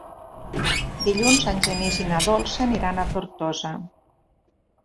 Dilluns en Genís i na Dolça aniran a Tortosa.